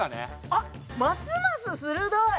あっますます鋭い！